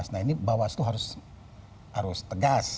nah ini bawas tuh harus tegas